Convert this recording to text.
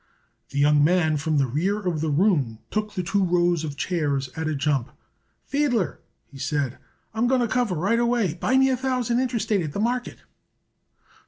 The young man from the rear of the room took the two rows of chairs at a jump. "Fiedler," he said, "I'm going to cover right away. Buy me a thousand Interstate at the market."